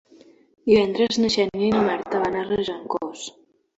Divendres na Xènia i na Marta van a Regencós.